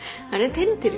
照れてる？